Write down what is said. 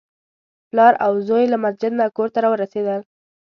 پلار او زوی له مسجد نه کور ته راورسېدل.